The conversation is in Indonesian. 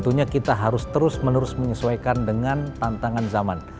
tentunya kita harus terus menerus menyesuaikan dengan tantangan zaman